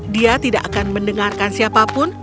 dia tidak akan mendengarkan siapapun